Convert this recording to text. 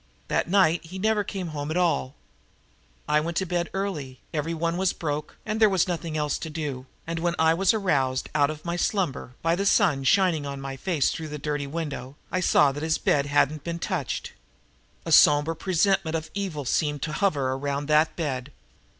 That night he never came home at all. I went to bed early everyone was broke and there was nothing else to do and when I was roused out of my slumber by the sun shining on my face through the dirty window, I saw that his bed hadn't been touched. A somber presentiment of evil seemed to hover around that bed.